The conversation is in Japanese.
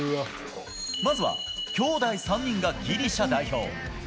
まずは兄弟３人がギリシャ代表。